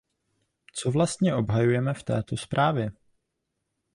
Co vlastně obhajujeme v této zprávě?